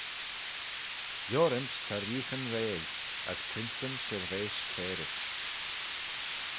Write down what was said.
Lioryms ta reeaghyn reill, as princeyn shirveish cairys.